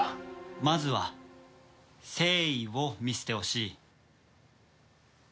まずは誠意を見せてほしい。